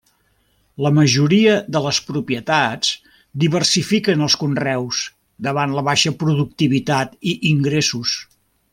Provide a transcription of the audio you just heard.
La majoria de les propietats diversifiquen els conreus davant la baixa productivitat i ingressos.